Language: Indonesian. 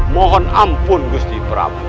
mohon ampun gusti prabu